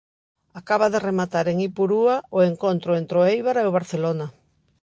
Acaba de rematar en Ipurúa o encontro entre o Eibar e o Barcelona.